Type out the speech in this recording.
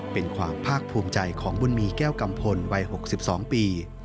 เป็นความภาคภูมิใจของบุญมีแก้วกัมพลวัย๖๒ปี